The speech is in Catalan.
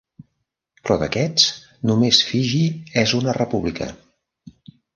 Però d'aquests, només Fiji és una república.